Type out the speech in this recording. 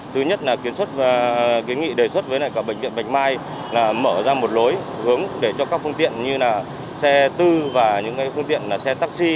thứ nhất là kiến nghị đề xuất với bệnh viện bạch mai là mở ra một lối hướng để cho các phương tiện như là xe tư và những phương tiện xe taxi